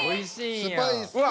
スパイスと。